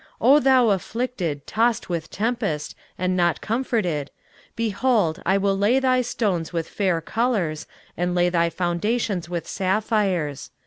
23:054:011 O thou afflicted, tossed with tempest, and not comforted, behold, I will lay thy stones with fair colours, and lay thy foundations with sapphires.